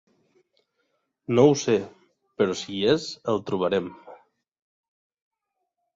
No ho sé, però si hi és el trobarem.